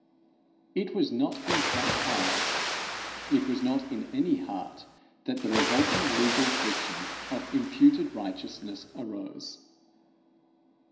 It was not in such hearts, it was not in any heart that the revolting legal fiction of imputed righteousness arose.